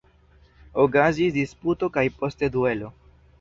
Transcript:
Okazis disputo kaj poste duelo.